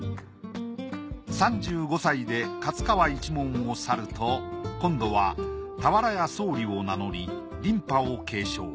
３５歳で勝川一門を去ると今度は俵屋宗理を名乗り琳派を継承。